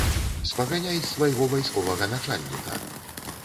Спаганяй з свайго вайсковага начальніка.